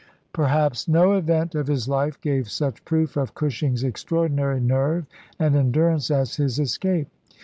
Perhaps no event of his life gave such proof of Cushing's extraordinary nerve and endurance as his escape.